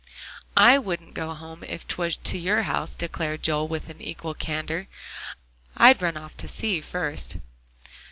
"I wouldn't go home if 'twas to your house," declared Joel with equal candor. "I'd run off to sea, first."